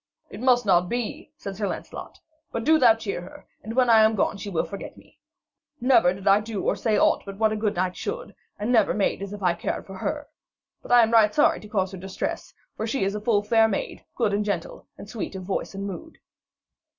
'It must not be,' said Sir Lancelot, 'but do thou cheer her, and when I am gone she will forget me. Never did I do or say aught but what a good knight should, and never made as if I cared for her. But I am right sorry for her distress, for she is a full fair maid, good and gentle, and sweet of voice and mood.'